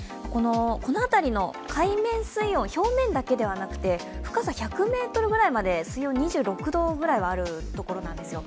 この辺りの海面水温、表面だけではなくて深さ１００ｍぐらいまで水温、２６度くらいあるんですよ。